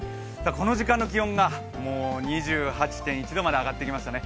この時間の気温が２８．１度まで上がってきましたね。